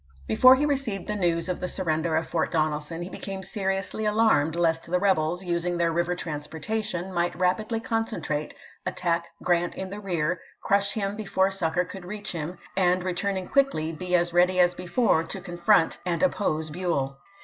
Before he received the news of the surrender of Fort Donelson he became seriously alarmed lest the rebels, using their river transportation, might rapidly concentrate, attack Grant in the rear, crush him before succor could reach him, and return ing quickly, be as ready as before to confront and oppose Buell.